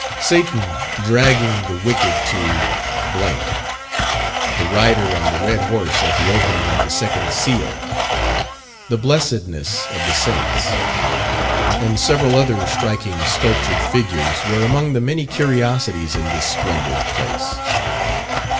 Satan dragging the wicked to ; the rider on the red horse at the opening of the second seal; the blessedness of the saints; and several other striking sculptured figures were among the many curiosities in this splendid place.